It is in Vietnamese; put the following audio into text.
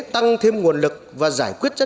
tăng thêm nguồn lực và giải quyết tố cáo